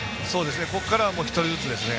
ここからは１人ずつですね。